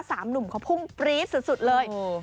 หนุ่มเขาพุ่งปรี๊ดสุดเลย